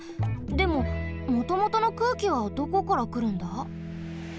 でももともとの空気はどこからくるんだ？